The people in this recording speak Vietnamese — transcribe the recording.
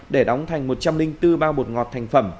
để đóng thành một trăm linh bốn bao bột ngọt thành phẩm